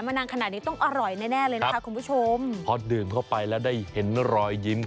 ยังแข็งแรงเลยเคลื่อนแล้วแน่นอนแหละ